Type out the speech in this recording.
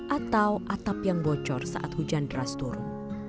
atau atap yang bocor saat hujan deras turun